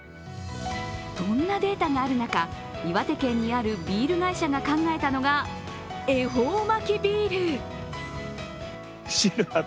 そんなデータがある中、岩手県にあるビール会社が考えたのが恵方巻ビール。